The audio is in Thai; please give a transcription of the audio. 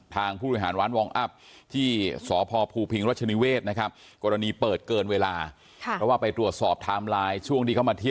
ท่านนักงานคุ้มครอบคุยพวกได้